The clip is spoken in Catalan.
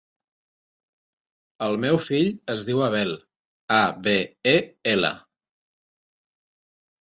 El meu fill es diu Abel: a, be, e, ela.